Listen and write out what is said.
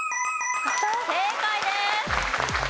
正解です。